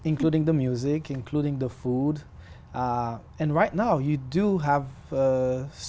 nhưng tôi có thể nói rằng tôi là một giáo viên